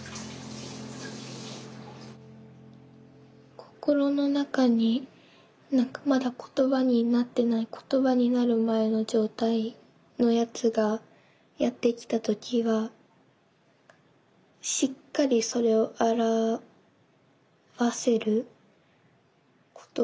心の中にまだ言葉になっていない言葉になる前の状態のやつがやって来た時はしっかりそれを表せる言葉を素早く見つけること。